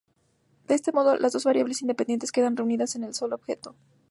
De este modo las dos variables independientes quedan reunidas en un solo objeto.